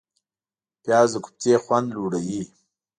پیاز د کوفتې خوند لوړوي